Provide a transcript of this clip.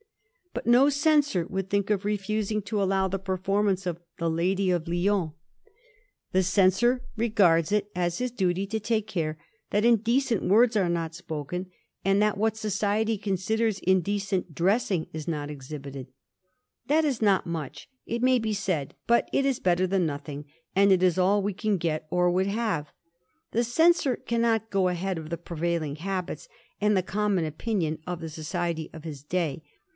But no censor would think of refusing to allow the performance of " Tlie Lady of Lyons." The 1737. THE PLAYHOUSE BILU 99 censor regards it as his duty to take care that indecent words are not spoken, and that what society considers in decent dressing is not exhibited. That is not much, it may be said, but it is better than nothing, and it is all we can get or would have. The censor cannot go ahead of the prevailing habits ^nd the common opinion of the society of his day.